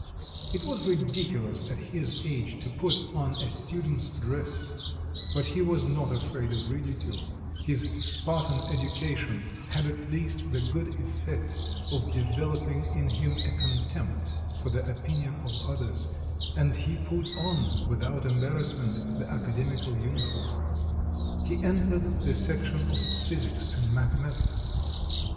It was ridiculous at his age to put on a student's dress, but he was not afraid of ridicule; his Spartan education had at least the good effect of developing in him a contempt for the opinion of others, and he put on, without embarrassment, the academical uniform. He entered the section of physics and mathematics.